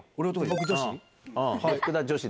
僕女子。